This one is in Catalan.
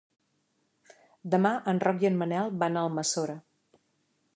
Demà en Roc i en Manel van a Almassora.